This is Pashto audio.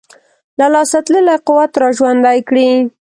له لاسه تللی قوت را ژوندی کړي.